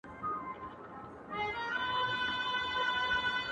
• شیخه قول دي پر ځای کړ نن چي سره لاسونه ګرځې -